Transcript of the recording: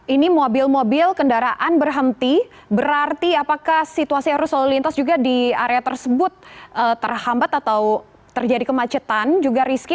ini mobil mobil kendaraan berhenti berarti apakah situasi arus lalu lintas juga di area tersebut terhambat atau terjadi kemacetan juga rizky